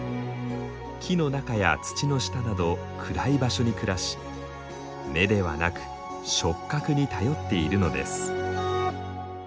木の中や土の下など暗い場所に暮らし目ではなく触角に頼っているのです。